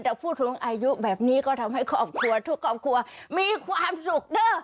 แต่พูดถึงอายุแบบนี้ก็ทำให้ทุกครอบครัวมีความสุขเดอะ